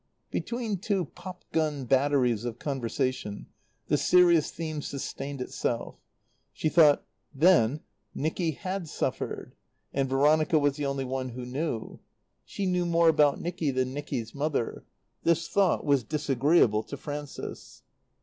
Between two pop gun batteries of conversation the serious theme sustained itself. She thought: Then, Nicky had suffered. And Veronica was the only one who knew. She knew more about Nicky than Nicky's mother. This thought was disagreeable to Frances.